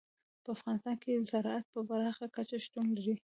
په افغانستان کې زراعت په پراخه کچه شتون لري.